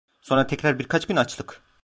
Sonra tekrar birkaç gün açlık…